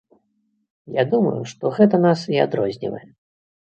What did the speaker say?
Я думаю, што гэта нас і адрознівае.